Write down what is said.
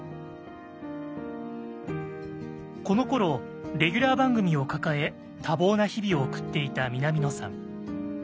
このころレギュラー番組を抱え多忙な日々を送っていた南野さん。